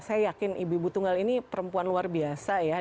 saya yakin ibu ibu tunggal ini perempuan luar biasa ya